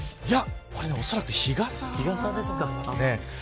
おそらく日傘ですかね。